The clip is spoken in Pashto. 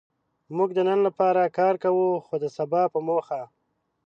موږ د نن لپاره کار کوو؛ خو د سبا په موخه.